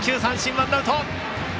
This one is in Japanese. ワンアウト！